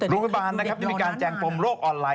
โรงพยาบาลที่มีการแจงกฏมโลกออนไลน์